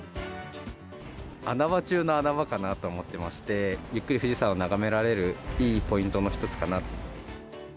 穴場中の穴場かなと思ってまして、ゆっくり富士山を眺められるいいポイントの１つかなと。